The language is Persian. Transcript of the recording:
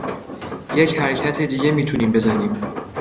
یک حرکت دیگه میتونیم بزنیم